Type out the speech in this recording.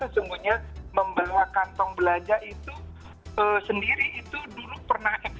karena sesungguhnya membawa kantong belanja itu sendiri itu dulu pernah terjadi